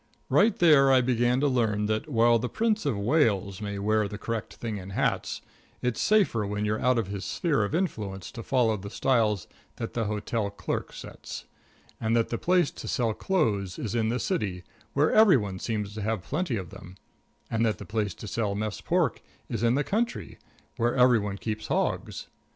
Right there I began to learn that, while the Prince of Wales may wear the correct thing in hats, it's safer when you're out of his sphere of influence to follow the styles that the hotel clerk sets; that the place to sell clothes is in the city, where every one seems to have plenty of them; and that the place to sell mess pork is in the country, where every one keeps hogs.